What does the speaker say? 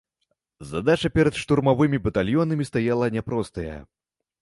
Задача перад штурмавымі батальёнамі стаяла няпростая.